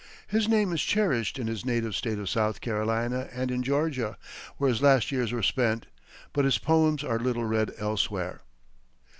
His name is cherished in his native state of South Carolina, and in Georgia, where his last years were spent; but his poems are little read elsewhere.